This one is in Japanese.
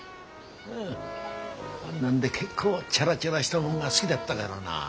あんなんで結構チャラチャラしたもんが好ぎだったがらな。